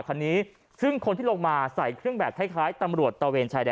คันนี้ซึ่งคนที่ลงมาใส่เครื่องแบบคล้ายตำรวจตะเวนชายแดน